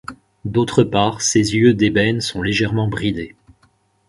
D'autre part, ses yeux d'ébène sont légèrement bridés.